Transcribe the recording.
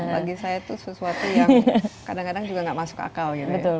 bagi saya itu sesuatu yang kadang kadang juga nggak masuk akal gitu